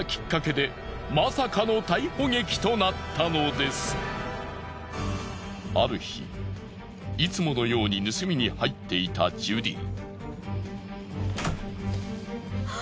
ところがあるある日いつものように盗みに入っていたジュディ。